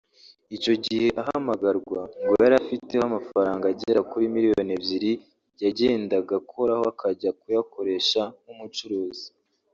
Icyo gihe ahamagarwa ngo yari afiteho amafaranga agera kuri miliyoni ebyiri yagendaga akoraho akajya kuyakoresha nk’umucuruzi